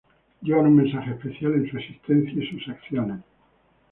Llevan un mensaje especial en su existencia y sus acciones.